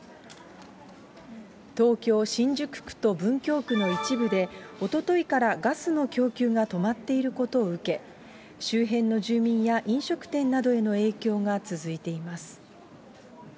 東京・新宿区と文京区の一部で、おとといからガスの供給が止まっていることを受け、周辺の住民や飲食店などへの影響が続いています。